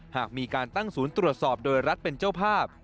หากมีการตั้งศูนย์ตรวจสอบโดยรัฐเป็นเจ้าภาพ